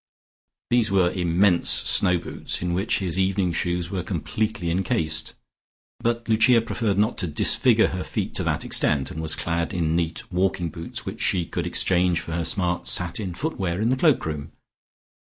These were immense snow boots, in which his evening shoes were completely encased, but Lucia preferred not to disfigure her feet to that extent, and was clad in neat walking boots which she could exchange for her smart satin footwear in the cloak room.